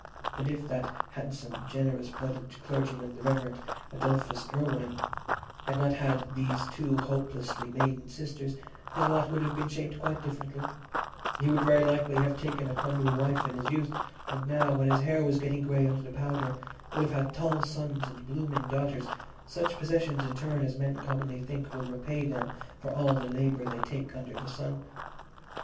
And if that handsome, generous blooded clergyman, the Rev. Adolphus Irwine, had not had these two hopelessly maiden sisters, his lot would have been shaped quite differently: he would very likely have taken a comely wife in his youth, and now, when his hair was getting grey under the powder, would have had tall sons and blooming daughters—such possessions, in short, as men commonly think will repay them for all the labour they take under the sun.